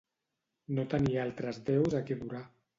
No tenir altres déus a qui adorar.